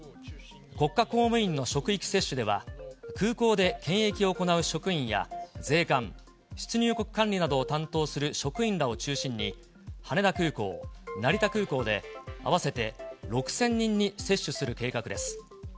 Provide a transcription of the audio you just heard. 国家公務員の職域接種では、空港で検疫を行う職員や税関、出入国管理を担当する職員らを中心に、羽田空港、成田空港で合わせて６０００人に接種する計画です。